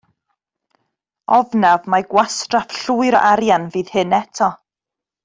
Ofnaf mai gwastraff llwyr o arian fydd hyn eto.